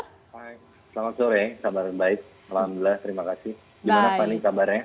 selamat sore kabar baik alhamdulillah terima kasih